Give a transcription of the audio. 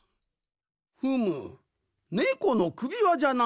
ふむネコのくびわじゃな。